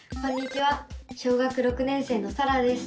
小学６年生のさらです。